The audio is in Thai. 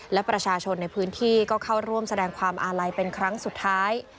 และประชาชนในพื้นที่ก็เข้าร่วมแสดงความอาลัยเป็นครั้งสุดท้าย